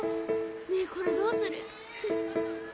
ねえこれどうする？